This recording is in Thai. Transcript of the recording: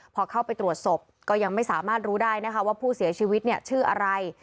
พอเข้าไปตรวจศพก็ยังไม่สามารถรู้ได้นะคะว่าผู้เสียชีวิตเนี่ยชื่ออะไร